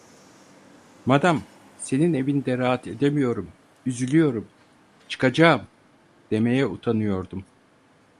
Madam, senin evinde rahat edemiyorum, üzülüyorum, çıkacağım! demeye utanıyordum.